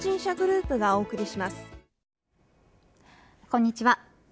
こんにちは。